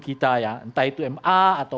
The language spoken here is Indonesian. kita ya entah itu ma atau